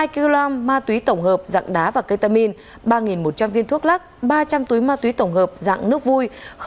hai kg ma túy tổng hợp dạng đá và ketamin ba một trăm linh viên thuốc lắc ba trăm linh túi ma túy tổng hợp dạng nước vui